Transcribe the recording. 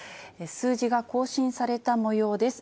数字が更新されたもようです。